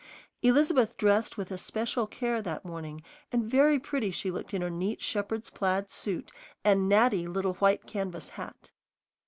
Elizabeth dressed with especial care that morning, and very pretty she looked in her neat shepherd's plaid suit and natty little white canvas hat.